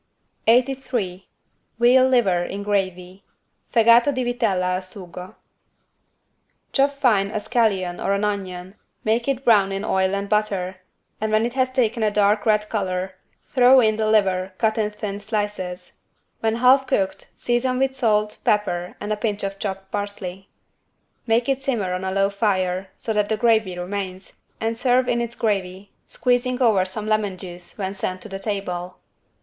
83 VEAL LIVER IN GRAVY (Fegato di vitella al sugo) Chop fine a scallion or an onion, make it brown in oil and butter, and when it has taken a dark red color, throw in the liver cut in thin slices. When half cooked season with salt, pepper and a pinch of chopped parsley. Make it simmer on a low fire so that the gravy remains, and serve in its gravy, squeezing over some lemon juice when sent to the table.